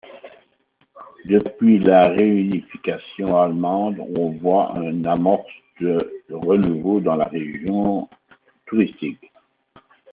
Depuis la réunification allemande on voit un amorce de renouveau dans la région touristique.